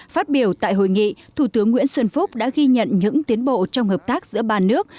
phát biểu tại hội nghị thủ tướng nguyễn xuân phúc đã ghi nhận những tiến bộ trong hợp tác giữa ba nước